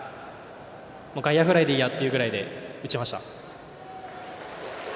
外野フライでいいやってぐらいで打ちました。